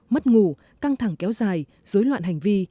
mất ngủ căng thẳng kéo dài dối loạn hành vi